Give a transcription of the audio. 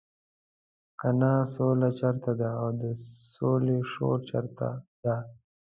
کنه سوله چېرته ده او د سولې شورا چېرته ده.